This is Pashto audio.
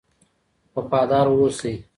وفادار اوسئ.